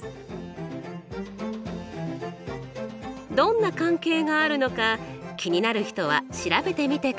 どんな関係があるのか気になる人は調べてみてくださいね。